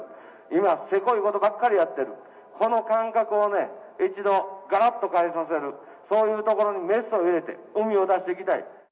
今せこいことばっかりやっている、この感覚をね、一度がらっと変えさせる、そういうところにメスを入れてうみを出していきたい。